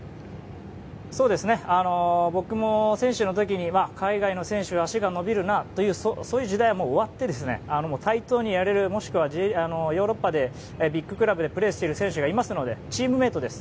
僕も選手の時に海外の選手は足が伸びるなという時代はもう終わって、対等にやれるもしくは、ヨーロッパのビッグクラブでプレーしている選手がいますのでチームメートです。